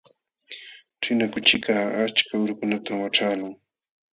Ćhina kuchikaq achka urukunatam waćhaqlun.